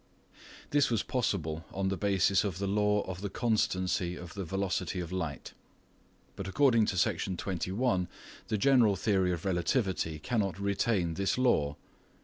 This was possible on the basis of the law of the constancy of the velocity of tight. But according to Section 21 the general theory of relativity cannot retain this law.